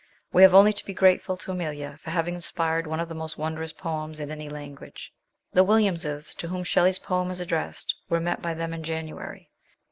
We have only to be grateful to Emilia for having inspired one of the most wondrous poems in any language. The Williamses, to whom Shelley's poem is addressed, were met by them in January.